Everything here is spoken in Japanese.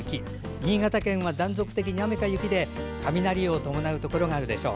新潟県は断続的に雨か雪で雷を伴うところがあるでしょう。